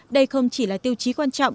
đây không chỉ là tiêu chí quan trọng